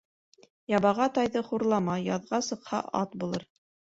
Ябаға тайҙы хурлама, яҙға сыҡһа, ат булыр.